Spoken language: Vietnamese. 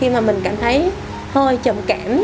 mình cảm thấy hơi trầm cảm